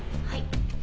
はい。